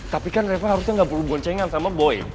tapi kan reva harusnya gak perlu goncengan sama boy